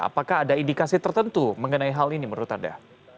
apakah ada indikasi tertentu mengenai hal ini menurut anda